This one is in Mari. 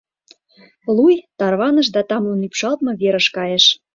Луй, тарваныш да тамлын ӱпшалтме верыш кайыш.